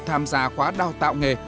tham gia khóa đào tạo nghề